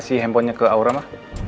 kasih handphonenya ke aura ma